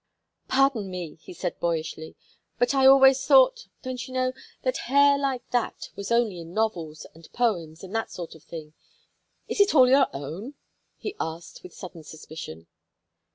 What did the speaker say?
"Pardon me!" he said, boyishly. "But I always thought don't you know? that hair like that was only in novels and poems and that sort of thing. Is it all your own?" he asked, with sudden suspicion.